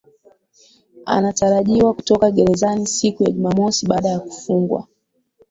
anatarajiwa kutoka gerezani siku ya jumamosi baada ya kufungwa